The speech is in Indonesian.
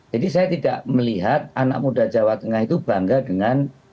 jadi saya tidak melihat anak muda jawa tengah itu bangga dengan